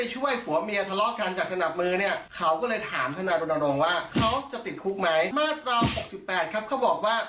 ให้พ้นจากพยานตรายอันละเมิดต่อกฎหมาย